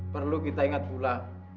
perlu kita ingat pula